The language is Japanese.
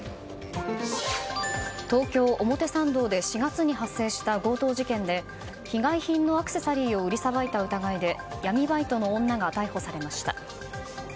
東京・表参道で４月に発生した強盗事件で被害品のアクセサリーを売りさばいた疑いで闇バイトの女が逮捕されました。